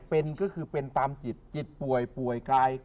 เป็นก็คือเป็นตามจิตจิตป่วยป่วยกาย